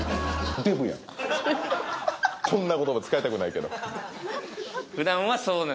こんな言葉使いたくないけど。